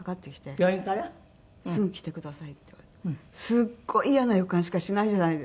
すごいイヤな予感しかしないじゃないですか。